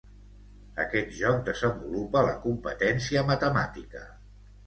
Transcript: Aquest joc desenvolupa la competència matemàtica.